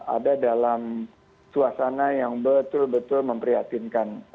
ada dalam suasana yang betul betul memprihatinkan